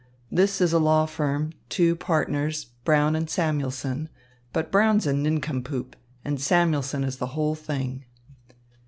This is a law firm, two partners, Brown and Samuelson; but Brown's a nincompoop and Samuelson is the whole thing."